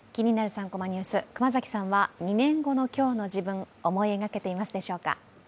３コマニュース」、熊崎さんは２年後の今日の自分思い描けていますでしょうか？